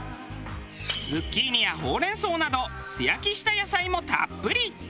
ズッキーニやほうれん草など素焼きした野菜もたっぷり。